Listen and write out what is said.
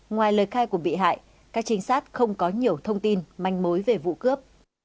ngoài lời khai của bị hại các trinh sát không có nhiều thông tin manh mối về vụ cướp